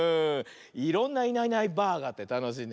いろんな「いないいないばあ！」があってたのしいね。